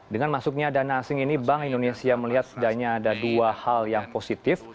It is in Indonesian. dengan masuknya dana asing ini bank indonesia melihat setidaknya ada dua hal yang positif